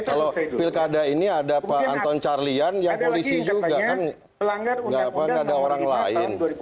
kalau pilkada ini ada pak anton carlian yang polisi juga kan nggak ada orang lain